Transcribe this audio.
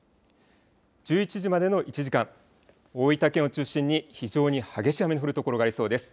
１１時までの１時間、大分県を中心に、非常に激しい雨の降る所がありそうです。